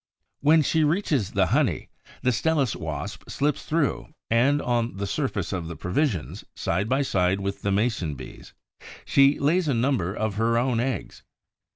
When she reaches the honey, the Stelis wasp slips through and, on the surface of the provisions, side by side with the Mason bee's, she lays a number of her own eggs.